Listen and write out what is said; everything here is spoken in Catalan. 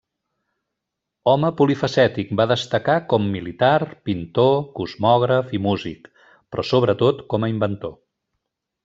Home polifacètic, va destacar com militar, pintor, cosmògraf i músic, però, sobretot, com a inventor.